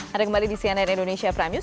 anda kembali di cnn indonesia prime news